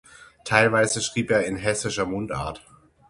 Teilweise schrieb er in hessischer Mundart.